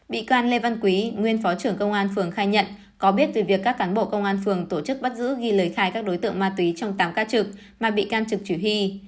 bị can lê văn quý nguyên phó trưởng công an phường khai nhận có biết về việc các cán bộ công an phường tổ chức bắt giữ ghi lời khai các đối tượng ma túy trong tám ca trực mà bị can trực chủ hy